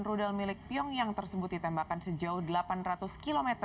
rudal milik pyongyang tersebut ditembakkan sejauh delapan ratus km